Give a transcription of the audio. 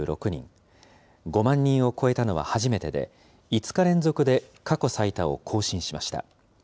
５万人を超えたのは初めてで、５日連続で過去最多を更新しました。